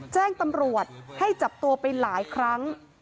แจ้งตำรวจให้จับตัวไปหลายครั้ง